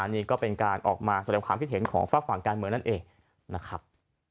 นี่ก็เป็นการออกมาแสดงความคิดเห็นของฝากฝั่งการเมืองนั่นเองนะครับ